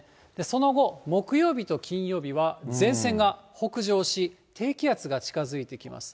その後、木曜日と金曜日は、前線が北上し、低気圧が近づいてきます。